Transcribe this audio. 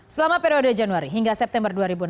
selama periode januari hingga september dua ribu enam belas